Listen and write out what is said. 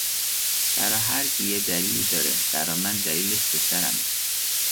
برا هرکی یه دلیلی داره برا من دلیلش پسرمه